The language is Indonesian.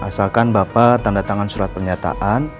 asalkan bapak tanda tangan surat pernyataan